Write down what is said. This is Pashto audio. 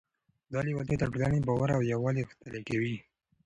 دا لیوالتیا د ټولنې باور او یووالی غښتلی کوي.